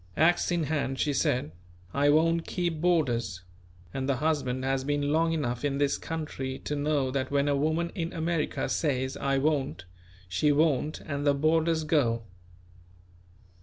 Axe in hand she said: "I won't keep boarders," and the husband has been long enough in this country to know that when a woman in America says: "I won't," she won't; and the boarders go.